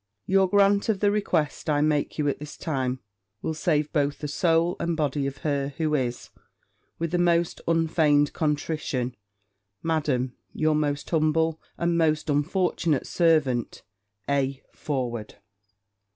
Your grant of the request I make you at this time, will save both the soul and body of her who is, with the most unfeigned contrition, Madam, your most humble, and most unfortunate servant, A. FORWARD.'